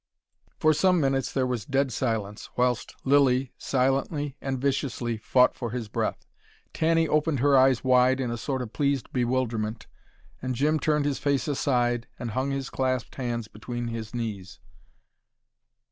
For some minutes there was dead silence, whilst Lilly silently and viciously fought for his breath. Tanny opened her eyes wide in a sort of pleased bewilderment, and Jim turned his face aside, and hung his clasped hands between his knees.